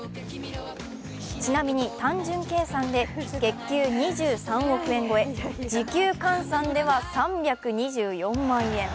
ちなみに単純計算で月給２３億円超え時給換算では３２４万円。